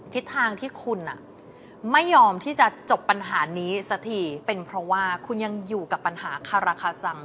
ทิศทางที่คุณไม่ยอมที่จะจบปัญหานี้สักทีเป็นเพราะว่าคุณยังอยู่กับปัญหาคาราคาซัง